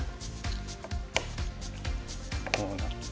こうなって。